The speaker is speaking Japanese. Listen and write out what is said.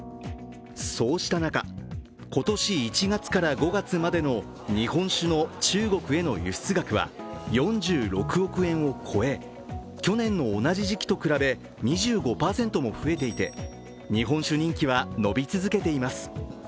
そうした中、今年１月から５月までの日本酒の中国への輸出額は４６億円を超え、去年の同じ時期と比べ２５％も増えていて日本酒人気は伸び続けています。